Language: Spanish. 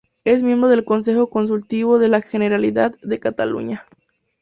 Es miembro del Consejo Consultivo de la Generalidad de Cataluña.